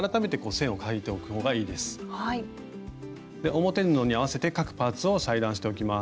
表布に合わせて各パーツを裁断しておきます。